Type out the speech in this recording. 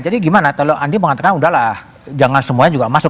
gimana kalau andi mengatakan udahlah jangan semuanya juga masuk